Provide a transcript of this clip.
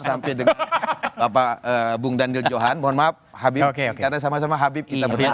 sampai dengan bapak bung daniel johan mohon maaf habib karena sama sama habib kita berdua